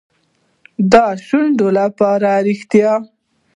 د شونډو لپاره ریښتیا.